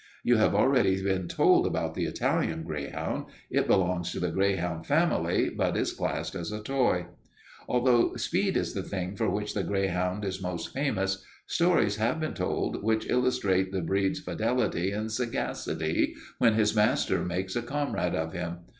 You have already been told about the Italian greyhound. It belongs to the greyhound family but is classed as a toy. "Although speed is the thing for which the greyhound is most famous, stories have been told which illustrate the breed's fidelity and sagacity when his master makes a comrade of him.